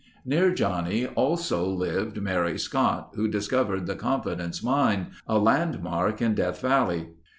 Near Johnnie also lived Mary Scott, who discovered the Confidence Mine, a landmark in Death Valley.